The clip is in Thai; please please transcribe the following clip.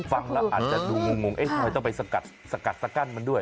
ฟังละอาจจะดูงงไอ้ทอยต้องไปสกัดสกัดสกั้นมันด้วย